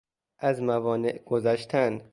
از موانع گذشتن